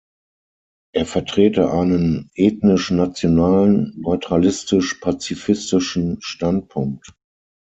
Er vertrete einen „ethnisch-nationalen, neutralistisch-pazifistischen Standpunkt“.